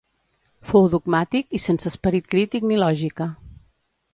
Fou dogmàtic i sense esperit crític ni lògica.